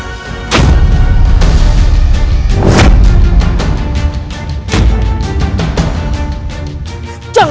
aku akan menunggu